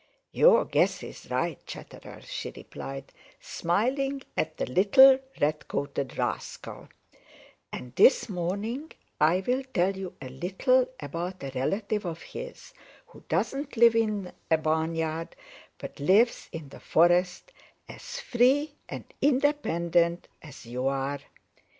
"Your guess is right, Chatterer," she replied, smiling at the little red coated rascal, "and this morning I will tell you a little about a relative of his who doesn't live in a barnyard, but lives in the forest, as free and independent as you are.